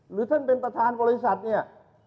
หรือท่านเป็นประธานบริษัทเนี่ย